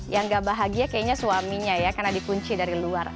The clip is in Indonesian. yang gak bahagia kayaknya suaminya ya karena dikunci dari luar